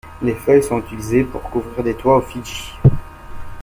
Les feuilles sont utilisées pour couvrir des toits aux Fidji.